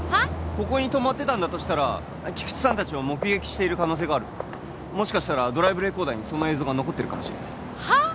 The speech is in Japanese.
ここに止まってたとしたら菊池さん達を目撃している可能性があるもしかしたらドライブレコーダーにその映像が残ってるかもはあ？